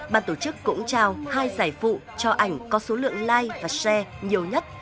bàn tổ chức cũng trao hai giải phụ cho ảnh có số lượng like và share nhiều nhất